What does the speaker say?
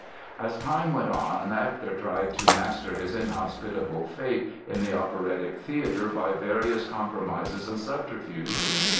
As time went on Hector tried to master his inhospitable fate in the operatic theatre by various compromises and subterfuges.